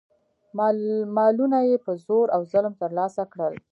مالونه یې په زور او ظلم ترلاسه کړل.